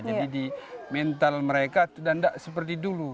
jadi di mental mereka tidak seperti dulu